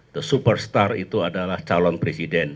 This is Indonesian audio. the superstar itu adalah calon presiden